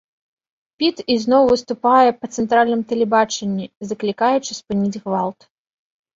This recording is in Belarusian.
Піт ізноў выступае па цэнтральным тэлебачанні, заклікаючы спыніць гвалт.